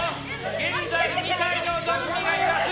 現在、２体のゾンビがいます。